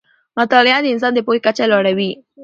مطالعه د انسان د پوهې کچه لوړه وي